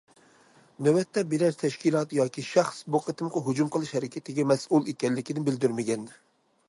نۆۋەتتە بىرەر تەشكىلات ياكى شەخس بۇ قېتىمقى ھۇجۇم قىلىش ھەرىكىتىگە مەسئۇل ئىكەنلىكىنى بىلدۈرمىگەن.